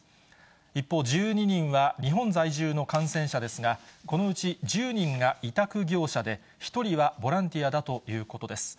一方、１２人は日本在住の感染者ですが、このうち１０人が委託業者で、１人はボランティアだということです。